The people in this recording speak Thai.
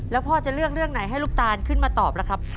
แล้วพ่อจะเลือกเรื่องไหนให้ลูกตานขึ้นมาตอบล่ะครับ